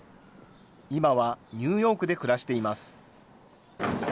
今はニューヨークで暮らしています。